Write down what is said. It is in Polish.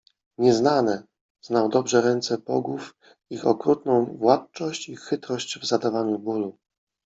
Nieznane! Znał dobrze ręce bogów, ich okrutną władczość, ich chytrość w zadawaniu bólu.